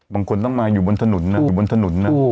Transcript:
บางคนต้องมาอยู่บนถนนอยู่บนถนน